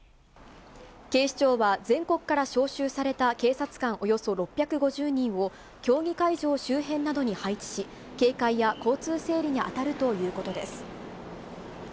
警視庁は全国から招集された警察官およそ６５０人を、競技会場周辺などに配置し、警戒や交通整理に当たるということです。